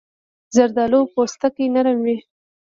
زردالو پوستکی نرم وي.